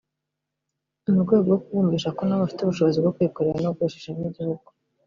mu rwego rwo kubumvisha ko nabo bafite ubushobozi bwo kwikorera no guhesha ishema igihugu